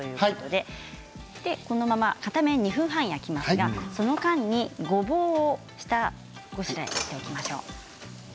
このまま片面２分半、焼きますがその間にごぼうを下ごしらえしておきましょう。